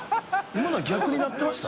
今のは逆になってました？